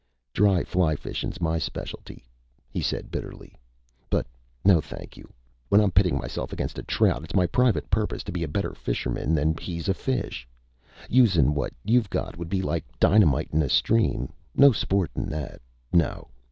"Dry fly fishin's my specialty," he said bitterly, "but no thank you! When I'm pittin' myself against a trout, it's my private purpose to be a better fisherman than he's a fish. Usin' what you've got would be like dynamitin' a stream. No sport in that! No!